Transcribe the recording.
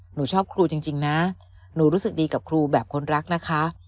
หนูชอบครูจริงนะหนูรู้สึกดีกับครูแบบคนรักนะคะ